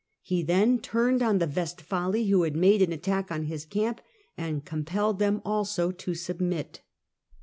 He then turned on the Westfali, who had made an attack on his camp, an compelled them also to submit.